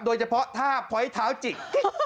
โดยเฉพาะท่าพ้อยเท้าจิก